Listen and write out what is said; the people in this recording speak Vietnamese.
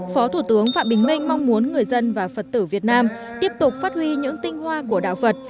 phó thủ tướng phạm bình minh mong muốn người dân và phật tử việt nam tiếp tục phát huy những tinh hoa của đạo phật